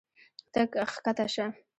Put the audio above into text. ته ښکته شه.